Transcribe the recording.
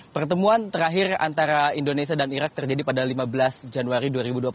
pertemuan terakhir antara indonesia dan irak terjadi pada lima belas januari dua ribu dua puluh satu